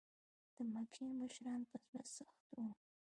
د مکې مشرکان په زړه سخت و.